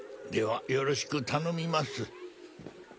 ではよろしく頼みます。